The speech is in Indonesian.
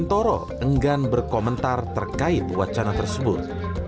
entoro enggan berkomentar terkait wacana tersebut